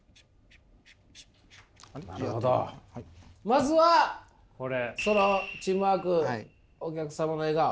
まずはそのチームワークお客様の笑顔。